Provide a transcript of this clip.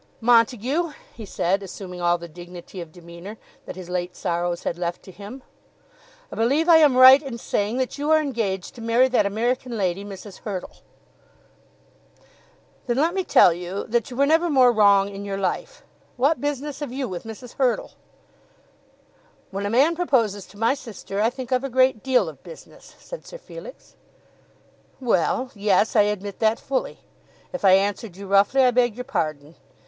"Montague," he said, assuming all the dignity of demeanour that his late sorrows had left to him, "I believe I am right in saying that you are engaged to marry that American lady, Mrs. Hurtle." "Then let me tell you that you were never more wrong in your life. What business have you with Mrs. Hurtle?" "When a man proposes to my sister, I think I've a great deal of business," said Sir Felix. "Well; yes; I admit that fully. If I answered you roughly, I beg your pardon.